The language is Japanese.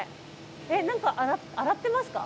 何か洗ってますか？